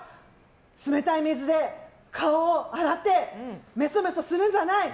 冷たい水で顔を洗ってめそめそするんじゃない！